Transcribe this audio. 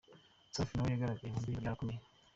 Safi nawe yagaragaye mu ndirimbo “Byarakomeye”.